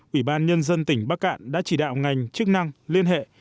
ủy ban nhân dân tỉnh bắc cạn đã chỉ đạo ngành chức năng liên hệ